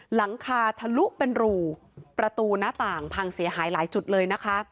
หลังคาทะลุเป็นรูประตูหน้าต่างพังเสียหายหลายจุดเลยนะคะ